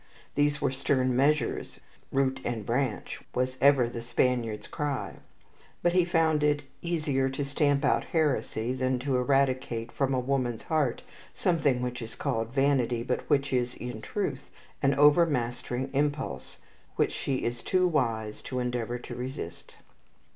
These were stern measures, "root and branch" was ever the Spaniard's cry; but he found it easier to stamp out heresy than to eradicate from a woman's heart something which is called vanity, but which is, in truth, an overmastering impulse which she is too wise to endeavour to resist.